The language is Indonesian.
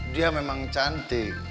dia memang cantik